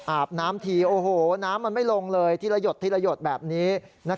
อาบน้ำถี่โอ้โหน้ำมันไม่ลงเลยทีละหยดแบบนี้